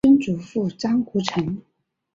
曾祖父张谷成。